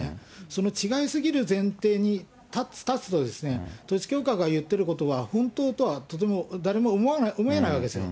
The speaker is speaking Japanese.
その違いすぎる前提に立つとですね、統一教会が言っていることは、本当とはとても、誰も思えないわけですよ。